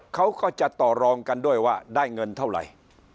เขาก็จะต่อรองกันด้วยว่าได้เงินเท่าไหร่